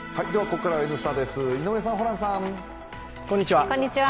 ここからは「Ｎスタ」です井上さん、ホランさん。